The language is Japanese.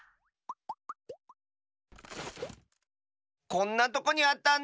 こんなとこにあったんだ。